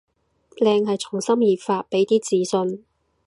靚係從心而發，畀啲自信